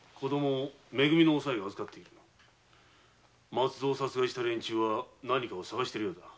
松造を殺害した連中は何かを探しているようだ。